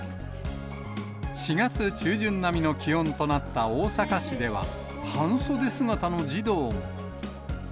４月中旬並みの気温となった大阪市では、半袖姿の児童も。